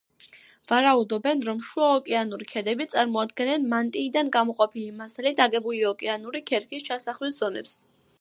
ვარაუდობენ, რომ შუაოკეანური ქედები წარმოადგენენ მანტიიდან გამოყოფილი მასალით აგებული ოკეანური ქერქის ჩასახვის ზონებს.